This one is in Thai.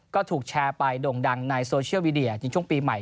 ก็ถูกแชร์ไปด่งดังในโซเชียลมีเดียในช่วงปีใหม่